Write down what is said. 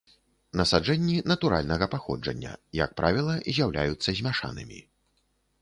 Насаджэнні натуральнага паходжання, як правіла, з'яўляюцца змяшанымі.